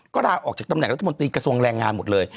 ก็ลาออกจากตำแหน่งรัฐมนตรีกระทรวงแรงงานหมดเลย